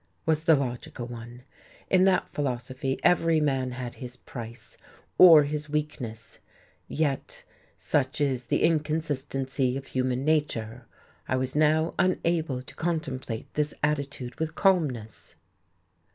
was the logical one. In that philosophy every man had his price, or his weakness. Yet, such is the inconsistency of human nature, I was now unable to contemplate this attitude with calmness.